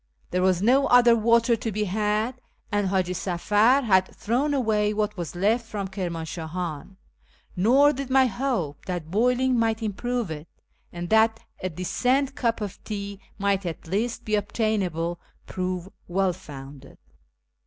There was no other water to be had, and Haji Safar had thrown away what was left from Kirmanshahan ; nor did my hope that boiling might improve it, and that a decent cup of tea might at least be obtainable, prove well founded.